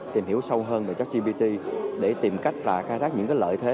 tìm hiểu sâu hơn về trashcbt để tìm cách là khai thác những cái lợi thế